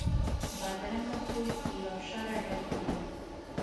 بدرنګه خوی له شره ډک وي